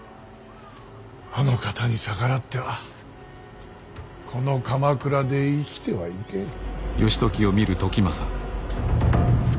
あの方に逆らってはこの鎌倉で生きてはいけん。